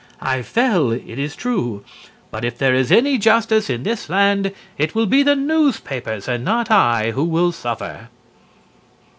I fell, it is true, but if there is any justice in this land, it will be the newspapers and not I who will suffer."